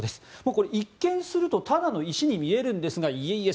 これ、一見するとただの石に見えるんですがいえいえ